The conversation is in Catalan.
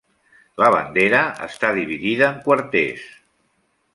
La bandera està dividida en quarters.